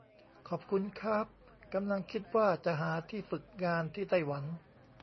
ขอบคุณค้าบ กำลังคิดว่าจะหาที่ฝึกงานที่ไต้หวัน